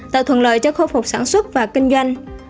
tạo thuận lợi cho khôi phục sản xuất và kinh doanh